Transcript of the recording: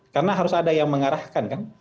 karena harus ada yang mengarahkan kan